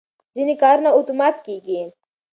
ځینې کارونه اتومات کېږي.